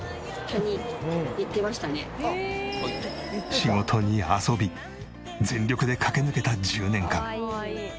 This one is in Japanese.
仕事に遊び全力で駆け抜けた１０年間。